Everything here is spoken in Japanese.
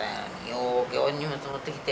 ようけ大荷物持ってきて。